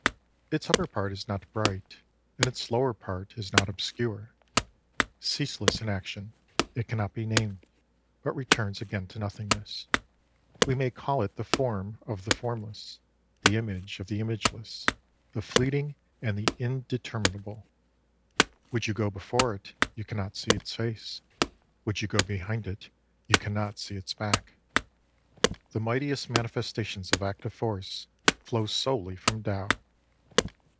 Its upper part is not bright, and its lower part is not obscure. Ceaseless in action, it cannot be named, but returns again to nothingness. We may call it the form of the formless, the image of the imageless, the fleeting and the indeterminable. Would you go before it, you cannot see its face ; would you go behind it, you cannot see its back. The mightiest manifestations of active force flow solely from Tao.